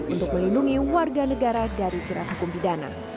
untuk melindungi warga negara dari cerah akum bidana